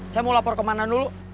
saya mau lapor kemana dulu